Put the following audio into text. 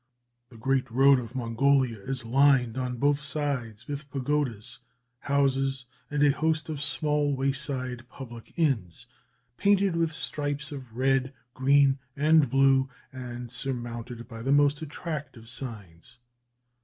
The great road of Mongolia is lined on both sides with pagodas, houses, and a host of small wayside public inns, painted with stripes of red, green, and blue, and surmounted by the most attractive signs.